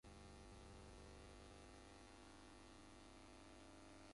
The couple had met while both were attending Catoosa High School.